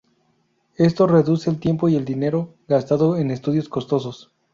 Esto reduce el tiempo y el dinero gastado en estudios costosos.